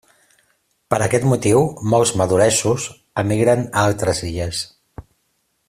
Per aquest motiu molts maduresos emigren a altres illes.